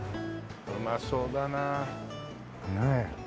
うまそうだなねえ。